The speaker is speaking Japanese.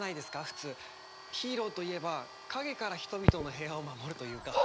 普通ヒーローといえば陰から人々の平和を守るというか。